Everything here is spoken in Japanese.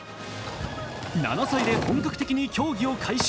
７歳で本格的に競技を開始。